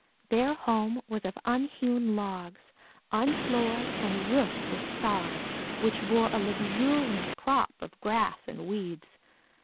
Their home was of unhewn logs, unfloored, and roofed with sods, which bore a luxuriant crop of grass and weeds.